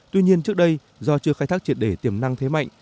tuy nhiên trước đây do chưa khai thác triệt để tiềm năng thế mạnh